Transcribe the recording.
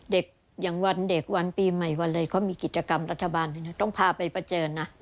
อย่างวันเด็กวันปีใหม่วันอะไรเขามีกิจกรรมรัฐบาลต้องพาไปเผชิญนะ